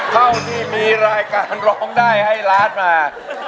เท่าที่มีรายการร้องได้ให้ล้านมา